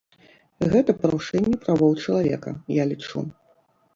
Гэта парушэнне правоў чалавека, я лічу.